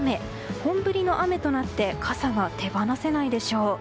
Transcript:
本降りの雨となって傘が手放せないでしょう。